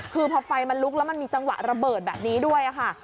คือพอไฟมันลุกแล้วมันมีจังหวะระเบิดแบบนี้ด้วยค่ะ